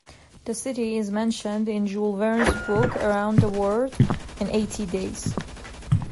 The city is mentioned in Jules Verne's book, "Around the World in Eighty Days".